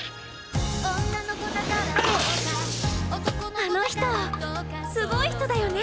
あの人すごい人だよね